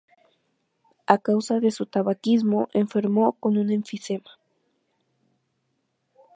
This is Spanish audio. A causa de su tabaquismo enfermó con un enfisema.